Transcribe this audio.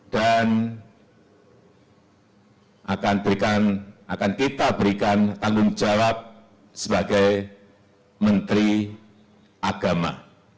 dan akan kita berikan tanggung jawab sebagai menteri agama